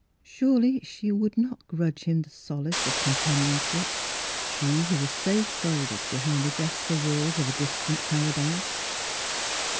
Surely she would not grudge him the solace of com panionship — she who was safe folded behind the jasper walls of a distant para dise.